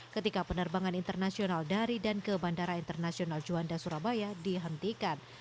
ketika penerbangan internasional dari dan ke bandara internasional juanda surabaya dihentikan